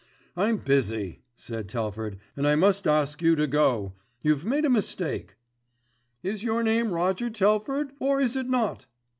"I'm busy," said Telford, "and I must ask you to go. You've made a mistake." "Is your name Roger Telford, or is it not?"